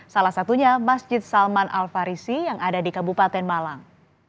salah satunya masjid salman al farisi yang ada di kabupaten malang